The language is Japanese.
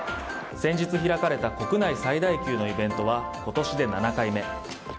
先日開かれた国内最大級のイベントは今年で７回目。